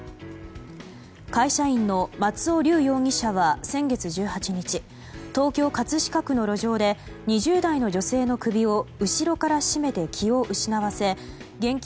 会社員の松尾龍容疑者は先月１８日東京・葛飾区の路上で２０代の女性の首を後ろから絞めて気を失わせ現金